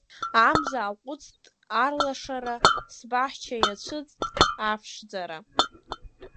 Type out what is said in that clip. Амза аҟәыҵт арлашара, Сбаҳча иацәыӡт аԥшӡара…